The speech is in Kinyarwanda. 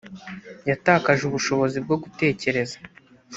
yatakaje ubushobozi bwo gutekereza